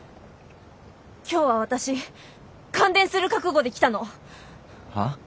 今日は私感電する覚悟で来たの。は？